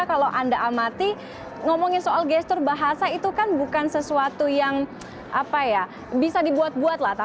kalau anda amati ngomongin soal gestur bahasa itu kan bukan sesuatu yang bisa dibuat buat lah